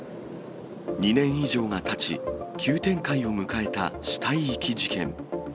２年以上がたち、急展開を迎えた死体遺棄事件。